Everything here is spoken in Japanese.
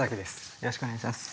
よろしくお願いします。